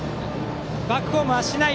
バックホームはしない。